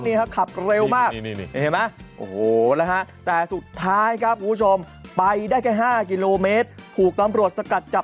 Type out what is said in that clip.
นี่ครับขับเร็วมากนี่นี่นี่เห็นมั้ยโอ้โหอะไรฮะ